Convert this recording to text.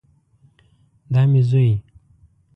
دا مې زوی